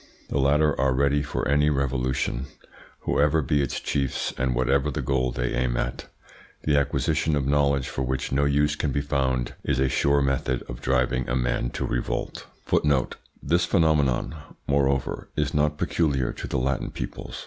The latter are ready for any revolution, whoever be its chiefs and whatever the goal they aim at. The acquisition of knowledge for which no use can be found is a sure method of driving a man to revolt. This phenomenon, moreover, is not peculiar to the Latin peoples.